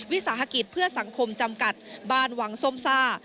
วิสาหกิจเพื่อสังคมจำกัดบ้านวังส้มซ่า